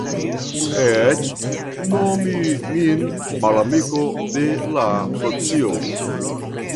Eĉ nomi min malamiko de la socio!